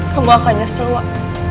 kamu akan nyesel wak